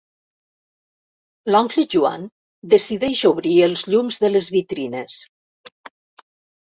L'oncle Joan decideix obrir els llums de les vitrines.